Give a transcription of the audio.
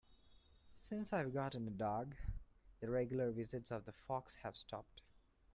Since I've gotten a dog, the regular visits of the fox have stopped.